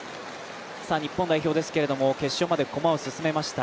日本代表ですけれども決勝まで駒を進めました。